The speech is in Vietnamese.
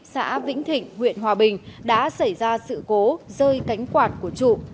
xã vĩnh thịnh huyện hòa bình đã xảy ra sự cố rơi cánh quạt của trụ